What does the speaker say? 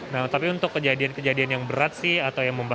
nah tapi untuk kejadian kejadian yang berat sih atau yang membaik